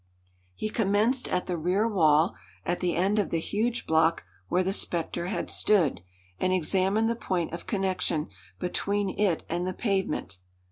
He commenced at the rear wall, at the end of the huge block where the specter had stood, and examined the point of connection between it and the pavement.